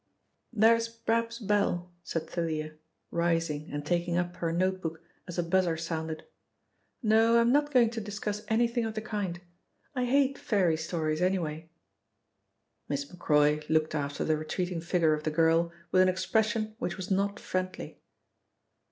"There's Brab's bell," said Thalia, rising and taking up her notebook as a buzzer sounded. "No, I'm not going to discuss anything of the kind I hate fairy stories anyway." Miss Macroy looked after the retreating figure of the girl with an expression which was not friendly.